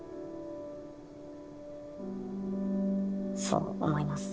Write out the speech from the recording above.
そう思います。